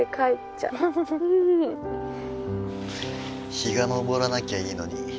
「日が昇らなきゃいいのに」。